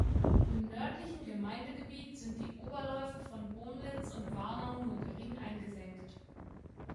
Im nördlichen Gemeindegebiet sind die Oberläufe von Bomlitz und Warnau nur gering eingesenkt.